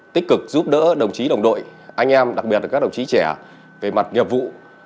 tích cực giúp đỡ đồng chí đồng đội anh em đặc biệt là các đồng chí trẻ về mặt nghiệp vụ